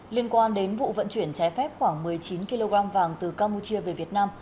liên quan đến vụ vận chuyển trái phép khoảng một mươi chín kg vàng từ campuchia về việt nam